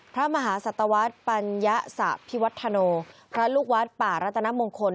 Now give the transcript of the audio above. พระมหาสัตวรรษปัญญสะพิวัฒโนพระลูกวัดป่ารัตนมงคล